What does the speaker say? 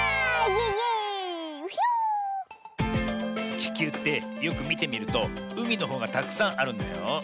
ちきゅうってよくみてみるとうみのほうがたくさんあるんだよ。